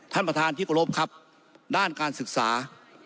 ท่านประธานที่กรบครับด้านการศึกษา